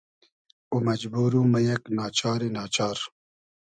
او مئجبور و مۂ یئگ نا چاری نا چار